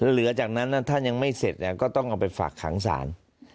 หลังจากนั้นถ้ายังไม่เสร็จก็ต้องเอาไปฝากขังศาล